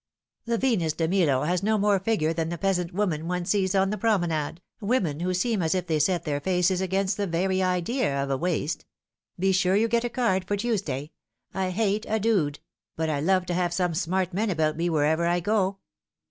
" The Venus de Milo has no more figure than the peasant Pamela changes Tier Mind. 291 women one sees on the promenade, women who seem as if they set their faces against the very idea of a waist. Be sure you get a card for Tuesday. I hate a dude ; but I love to have some smart men about me wherever I go."